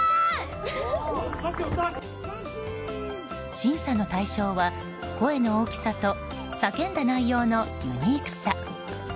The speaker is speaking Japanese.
審査の対象は声の大きさと叫んだ内容のユニークさ。